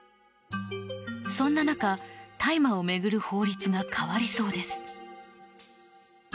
そんな中、大麻を巡る法律が変わりそうです。